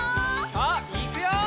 さあいくよ！